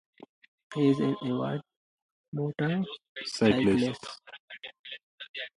He is an avid motorcyclist.